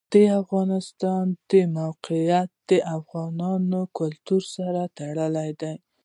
د افغانستان د موقعیت د افغان کلتور سره تړاو لري.